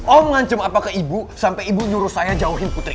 om ngancem apa ke ibu sampai ibu nurus saya jauhin putri om